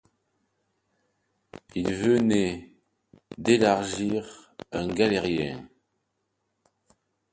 Il venait d’élargir un galérien.